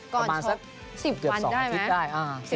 ประมาณสักเกือบ๒อาทิตย์ได้